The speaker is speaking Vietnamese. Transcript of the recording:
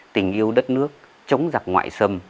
tình yêu đất nước chống giặc ngoại xâm